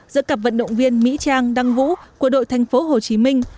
giữa cặp vận động viên mỹ trang đăng vũ của đội thành phố hồ chí minh